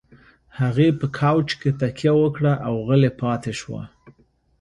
هغې په کاوچ کې تکيه وکړه او غلې پاتې شوه.